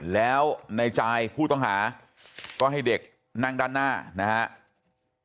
แล้วในจายผู้ต้องหาก็ให้เด็กนั่งด้านหน้านะครับ